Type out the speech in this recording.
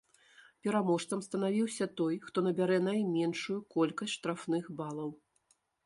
Пераможцам станавіўся той, хто набярэ найменшую колькасць штрафных балаў.